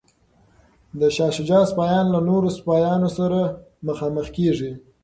د شاه شجاع سپایان له نورو سپایانو سره مخامخ کیږي.